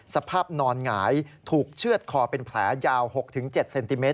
สภาพนอนหงายถูกเชื่อดคอเป็นแผลยาว๖๗เซนติเมต